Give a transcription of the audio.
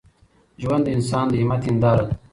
ژوند د انسان د همت هنداره ده.